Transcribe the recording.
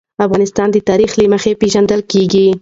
افغانستان د تاریخ له مخې پېژندل کېږي.